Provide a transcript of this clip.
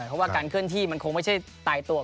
เพราะว่าการเคลื่อนที่มันคงไม่ใช่ตายตัว